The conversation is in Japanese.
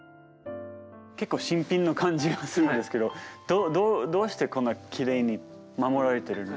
結構新品の感じがするんですけどどうしてこんなきれいに守られてる？